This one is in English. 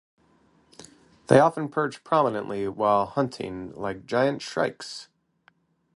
They often perch prominently whilst hunting, like giant shrikes.